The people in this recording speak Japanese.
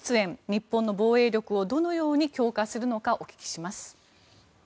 日本の防衛力をどのように強化するのかお聞きします。